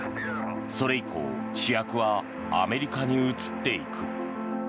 それ以降主役はアメリカに移っていく。